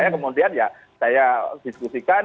kemudian saya diskusikan